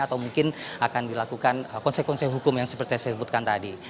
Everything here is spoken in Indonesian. atau mungkin akan dilakukan konsekuensi hukum yang seperti saya sebutkan tadi